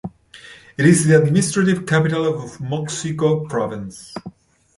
It is the administrative capital of Moxico Province.